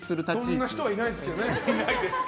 そんな人はいないですけどね。